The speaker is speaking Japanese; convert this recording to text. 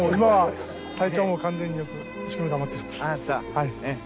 はい。